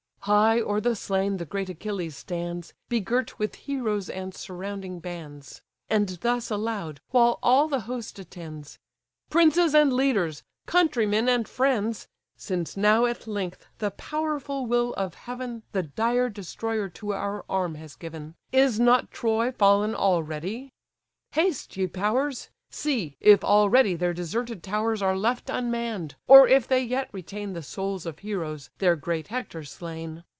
High o'er the slain the great Achilles stands, Begirt with heroes and surrounding bands; And thus aloud, while all the host attends: "Princes and leaders! countrymen and friends! Since now at length the powerful will of heaven The dire destroyer to our arm has given, Is not Troy fallen already? Haste, ye powers! See, if already their deserted towers Are left unmann'd; or if they yet retain The souls of heroes, their great Hector slain.